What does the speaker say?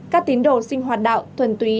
các tín đồ sinh hoạt đạo thuần túy